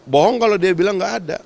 bohong kalau dia bilang gak ada